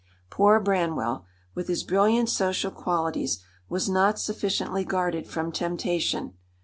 Poor Branwell, with his brilliant social qualities, was not sufficiently guarded from temptation.